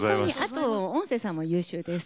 あと音声さんも優秀です。